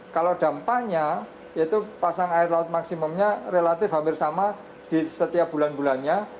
kalau dampaknya itu pasang air laut maksimumnya relatif hampir sama di setiap bulan bulannya